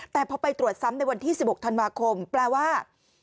แต่พอไปตรวจซ้ำในวันที่๑๖ธันวาคมแปลว่า